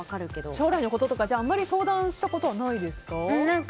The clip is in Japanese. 将来のこととか相談したことはないですか。